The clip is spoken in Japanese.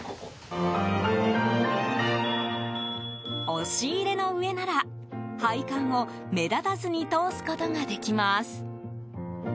押し入れの上なら配管を目立たずに通すことができます。